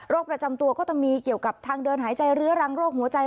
ประจำตัวก็จะมีเกี่ยวกับทางเดินหายใจเรื้อรังโรคหัวใจ